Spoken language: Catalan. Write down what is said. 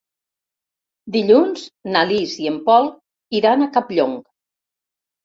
Dilluns na Lis i en Pol iran a Campllong.